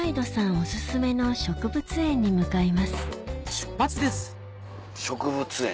お薦めの植物園に向かいます植物園。